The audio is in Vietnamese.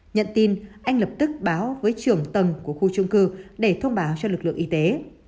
nhận tin anh lập tức báo với trưởng tầng của khu trung cư để thông báo cho lực lượng y tế